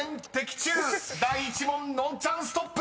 ［第１問のんちゃんストップ。